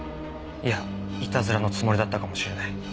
いやイタズラのつもりだったかもしれない。